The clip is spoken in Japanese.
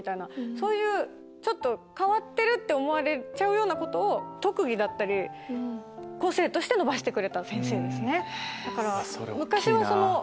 そういうちょっと変わってるって思われちゃうようなことを特技だったり個性として伸ばしてくれた先生ですね。